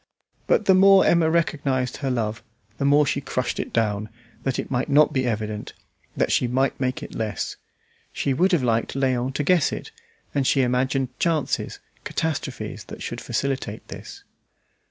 But the more Emma recognised her love, the more she crushed it down, that it might not be evident, that she might make it less. She would have liked Léon to guess it, and she imagined chances, catastrophes that should facilitate this.